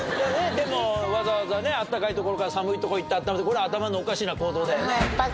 でもわざわざ暖かい所から寒いとこ行って暖まるってこれは頭のおかしな行動だよね？